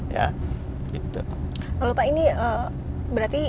kalau pak ini berarti